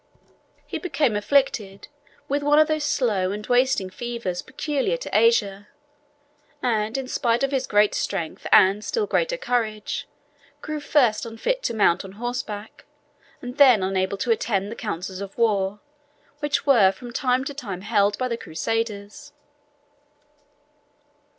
He became afflicted with one of those slow and wasting fevers peculiar to Asia, and in despite of his great strength and still greater courage, grew first unfit to mount on horseback, and then unable to attend the councils of war which were from time to time held by the Crusaders.